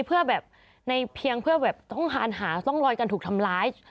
เพื่อแบบในเพียงเพื่อแบบต้องหาร่องรอยการถูกทำร้าย